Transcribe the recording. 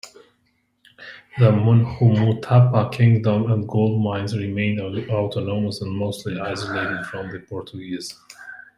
The Munhumutapa Kingdom and gold mines remained autonomous and mostly isolated from the Portuguese.